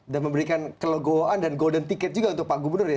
dan memberikan kelegoan dan golden ticket juga untuk pak gubernur ya